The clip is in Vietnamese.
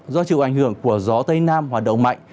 do chịu ảnh hưởng của gió tây nam hoạt động mạnh